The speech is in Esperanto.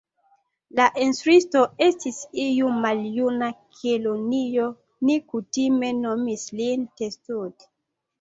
La instruisto estis iu maljuna kelonio ni kutime nomis lin Testud.